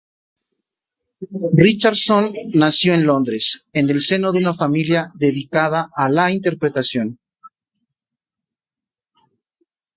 Richardson nació en Londres en el seno de una familia dedicada a la interpretación.